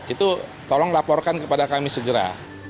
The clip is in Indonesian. itu tolong laporkan kepada kami segera